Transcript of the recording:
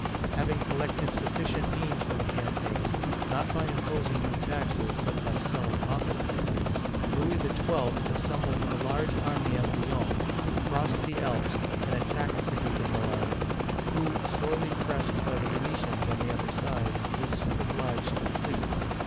Having collected sufficient means for the campaign, — not by imposing new taxes, but by selling offices, — Louis XII. assembled a large army at Lyons, crossed the Alps, and attacked the Duke of Milan, who, sorely pressed by the Venetians on the other side, was soon obliged to flee.